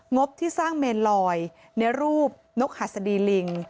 บที่สร้างเมนลอยในรูปนกหัสดีลิง